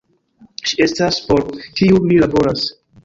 Ŝi estas, por kiu mi laboras.